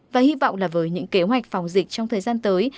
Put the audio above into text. và hy vọng là với những kế hoạch phòng dịch trong thời gian tới